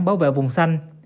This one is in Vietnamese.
bảo vệ vùng xanh